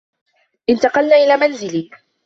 انتقلن إلى منزلي.